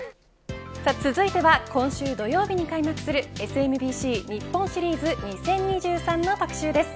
続いては、今週土曜日に開幕するＳＭＢＣ日本シリーズ２０２３の特集です。